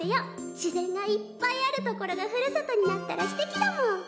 自然がいっぱいある所がふるさとになったらすてきだもん！